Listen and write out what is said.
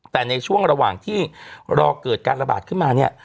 แต่ในช่วงระหว่างที่รอเกิดการระบาดขึ้นมาเนี่ย